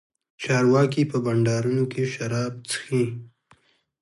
چارواکي په بنډارونو کښې شراب چښي.